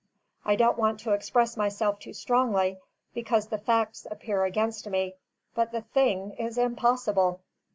I don't want to express myself too strongly, because the facts appear against me, but the thing is impossible."